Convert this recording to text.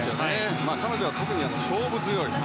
彼女は特に、勝負強い。